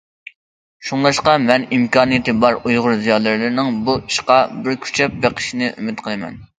شۇڭلاشقا مەن ئىمكانىيىتى بار ئۇيغۇر زىيالىيلىرىنىڭ بۇ ئىشقا بىر كۈچەپ بېقىشىنى ئۈمىد قىلىمەن.